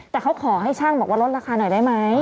แต่เขาขอให้ช่างบอกว่าลดราคาหน่อยได้ไหม